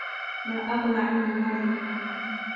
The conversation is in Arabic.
ما أغنى عني ماليه